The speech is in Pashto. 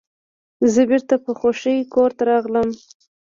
زه بیرته په خوښۍ کور ته راغلم.